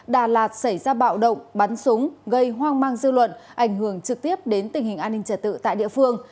đà lạt xảy ra bạo động bắn súng gây hoang mang dư luận ảnh hưởng trực tiếp đến tình hình an ninh trả tự tại địa phương